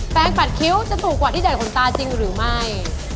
แปงปัดคิ้วจะถูกกว่าที่เด่นของตาจริงหรือไม่